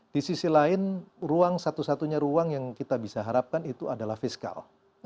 di sisi lain ruang satu satunya ruang yang kita bisa harapkan itu adalah fiskal